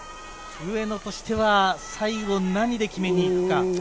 上野としては最後何で決めに行くか。